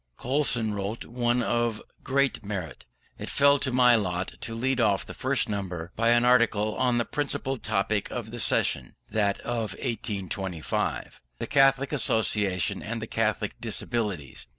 Coulson wrote one of great merit. It fell to my lot to lead off the first number by an article on the principal topic of the session (that of 1825), the Catholic Association and the Catholic Disabilities.